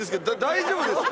大丈夫です。